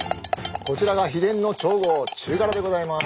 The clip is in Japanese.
こちらが秘伝の調合中辛でございます。